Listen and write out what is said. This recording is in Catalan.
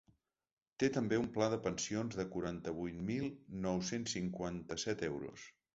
Té també un pla de pensions de quaranta-vuit mil nou-cents cinquanta-set euros.